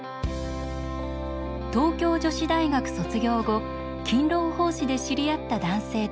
東京女子大学卒業後勤労奉仕で知り合った男性と結婚。